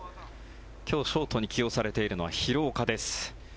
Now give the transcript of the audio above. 今日ショートに起用されているのは廣岡です。